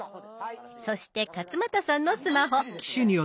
そして勝俣さんのスマホ。